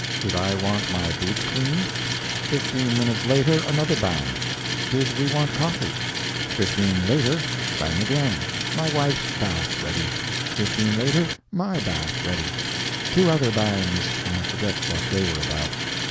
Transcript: Did I want my boots cleaned? Fifteen minutes later another bang. Did we want coffee? Fifteen later, bang again, my wife's bath ready; 15 later, my bath ready. Two other bangs; I forget what they were about.